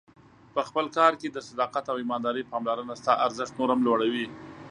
په خپل کار کې د صداقت او ایماندارۍ پاملرنه ستا ارزښت نور هم لوړوي.